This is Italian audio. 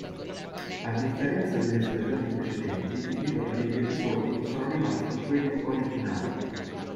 A differenza delle stagioni precedenti i titoli degli episodi sono rimasti quelli originali.